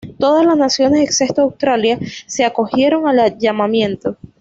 Todas las naciones, excepto Australia, se acogieron al llamamiento.